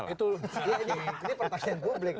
ini pertanyaan publik